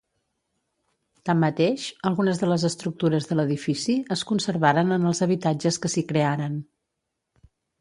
Tanmateix, algunes de les estructures de l'edifici es conservaren en els habitatges que s'hi crearen.